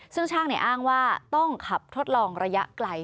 ซึ่งช่างอ้างว่าต้องขับทดลองระยะไกล